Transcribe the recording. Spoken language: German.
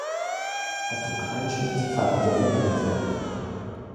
Otto Kleinschmidt Pfarrer der Gemeinde.